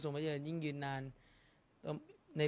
สงฆาตเจริญสงฆาตเจริญ